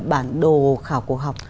bản đồ khảo cổ học thì nó có chính xác không